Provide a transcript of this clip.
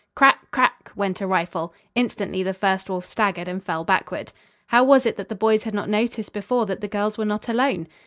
"Crack, crack," went a rifle. Instantly the first wolf staggered and fell backward. How was it that the boys had not noticed before that the girls were not alone?